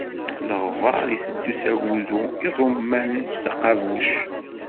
Leɣbaṛ iteddu s agudu, iḍuman s aqabuc.